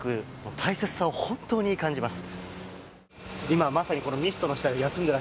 大切さを本当に感じます。